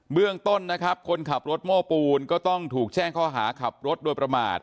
เรื่องต้นนะครับคนขับรถโม้ปูนก็ต้องถูกแจ้งข้อหาขับรถโดยประมาท